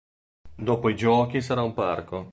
Dopo i Giochi sarà un parco.